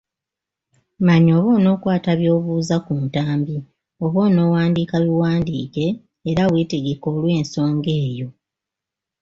Manya oba onookwata by’obuuza ku katambi oba onoowandiika biwandiike era weetegeke olw’ensonga eyo.